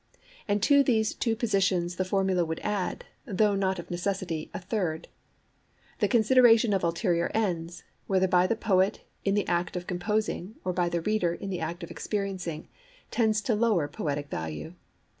And to these two positions the formula would add, though not of necessity, a third. The consideration of ulterior ends, whether by the poet in the act of composing or by the reader in the act of experiencing, tends to lower poetic value.